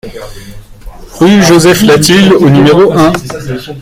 Rue Joseph Latil au numéro un